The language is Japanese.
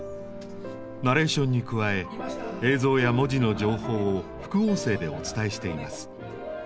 ナレーションに加え映像や文字の情報を副音声でお伝えしています。